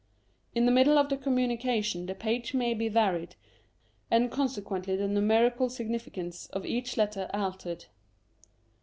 In the middle of the communication the page may be varied, and conse quently the numerical significance of each letter altered.